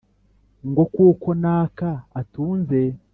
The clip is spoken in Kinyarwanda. ngo kuko naka atunze